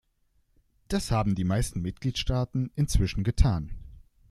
Das haben die meisten Mitgliedstaaten inzwischen getan.